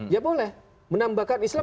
ya boleh menambahkan islam